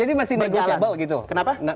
jadi masih negosiable gitu kenapa